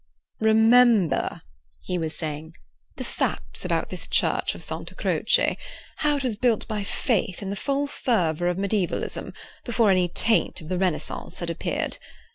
"Remember," he was saying, "the facts about this church of Santa Croce; how it was built by faith in the full fervour of medievalism, before any taint of the Renaissance had appeared.